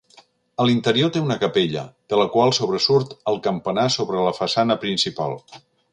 A l'interior té una capella, de la qual sobresurt el campanar sobre la façana principal.